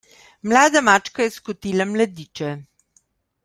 Mlada mačka je skotila mladiče.